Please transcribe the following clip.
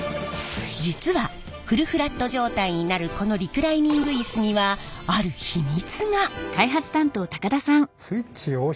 実はフルフラット状態になるこのリクライニングイスにはある秘密が！